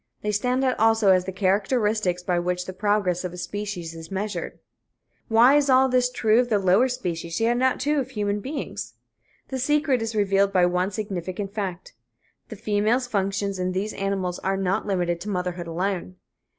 They stand out also as the characteristics by which the progress of species is measured. Why is all this true of the lower species yet not true of human beings? The secret is revealed by one significant fact the female's functions in these animal species are not limited to motherhood alone.